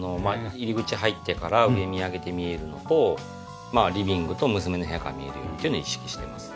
入り口を入ってから上見上げて見えるのとリビングと娘の部屋から見えるようにっていうのを意識してます。